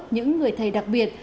những người thầy đặc biệt